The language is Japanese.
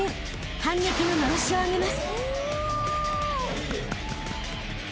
［反撃ののろしを上げます］